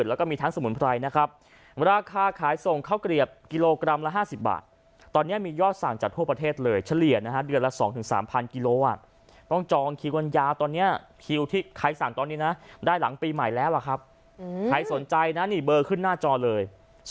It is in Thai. แล้วก็มีทั้งสมุนไพรนะครับราคาขายส่งข้าวเกลียบกิโลกรัมละ๕๐บาทตอนนี้มียอดสั่งจากทั่วประเทศเลยเฉลี่ยนะฮะเดือนละ๒๓๐๐กิโลต้องจองคิวกันยาวตอนนี้คิวที่ใครสั่งตอนนี้นะได้หลังปีใหม่แล้วล่ะครับใครสนใจนะนี่เบอร์ขึ้นหน้าจอเลย